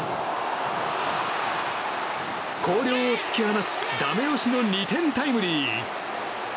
広陵を突き放すダメ押しの２点タイムリー！